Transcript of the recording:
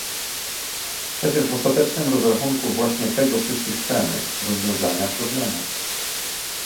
Przecież w ostatecznym rozrachunku właśnie tego wszyscy chcemy - rozwiązania problemu